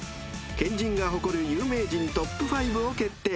［県人が誇る有名人トップ５を決定］